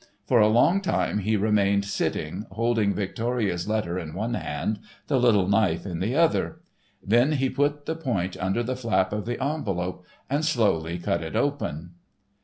For a long time he remained sitting, holding Victoria's letter in one hand, the little knife in the other. Then he put the point under the flap of the envelope and slowly cut it open.